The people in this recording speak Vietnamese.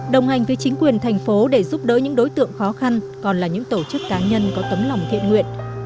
đồng hành với chính quyền thành phố để giúp đỡ những đối tượng khó khăn còn là những tổ chức cá nhân có tấm lòng thiện nguyện